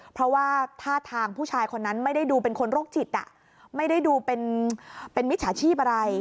เพราะว่าท่าทางผู้ชายคนนั้นไม่ได้ดูเป็นคนโรคจิตไม่ได้ดูเป็นมิจฉาชีพอะไร